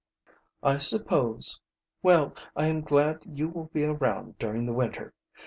"I suppose. Well, I am glad you will be around during the winter.